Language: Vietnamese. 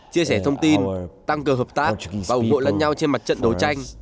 chia sẻ thông tin tăng cơ hợp tác và ủng hộ lẫn nhau trên mặt trận đối tranh